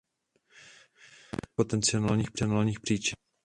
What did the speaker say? Je mnoho potenciálních příčin.